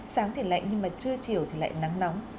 sáng thì lạnh nhưng mà trưa chiều thì lại nắng nóng